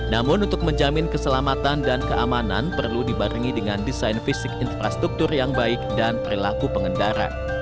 namun untuk menjamin keselamatan dan keamanan perlu dibarengi dengan desain fisik infrastruktur yang baik dan perilaku pengendara